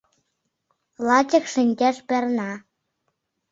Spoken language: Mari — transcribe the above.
Лачак шинчаш перна